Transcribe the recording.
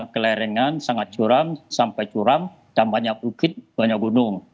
kelerengan sangat curam sampai curam dampaknya bukit banyak gunung